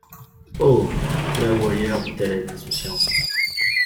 Oh! là ou ailleurs, dit-elle avec insouciance.